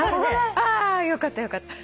あよかったよかった。